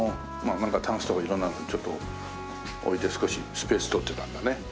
まあなんかタンスとか色んなのちょっと置いて少しスペース取ってたんだね。